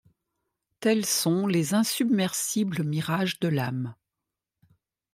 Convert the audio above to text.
Telles sont les insubmersibles mirages de l’âme.